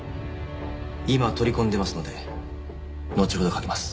今取り込んでますのでのちほどかけます。